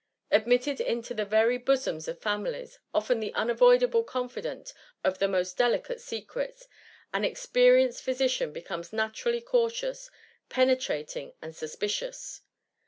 Admitted into the very bosoms of families— often the Unavoidable confidant of the most delicate secrets — an experienced phy sician becomes naturally cautious, pefnetrating^ and suspicious.